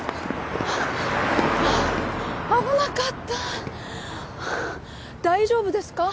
危なかった大丈夫ですか？